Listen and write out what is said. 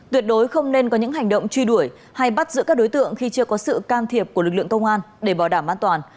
tuyệt đối không nên có những hành động truy đuổi hay bắt giữ các đối tượng khi chưa có sự can thiệp của lực lượng công an để bảo đảm an toàn